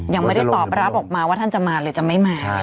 ยังไม่ได้ตอบรับออกมาว่าท่านจะมาหรือจะไม่มา